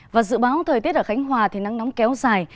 và dự báo thời tiết ở khánh hòa thì nắng nóng kéo dài